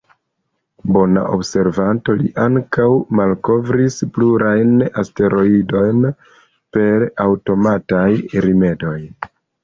Bona observanto, li ankaŭ malkovris plurajn asteroidojn per aŭtomataj rimedoj.